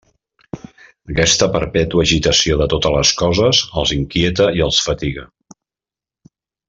Aquesta perpètua agitació de totes les coses els inquieta i els fatiga.